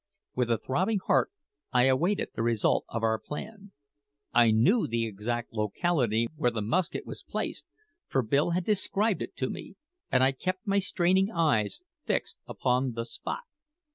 With a throbbing heart I awaited the result of our plan. I knew the exact locality where the musket was placed, for Bill had described it to me, and I kept my straining eyes fixed upon the spot.